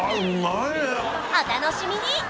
お楽しみに！